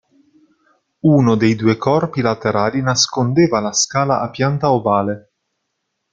Uno dei due corpi laterali nascondeva la scala a pianta ovale.